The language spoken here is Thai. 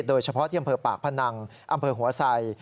โดยเฉพาะที่อำเภอปากพนังอำเภอหัวไส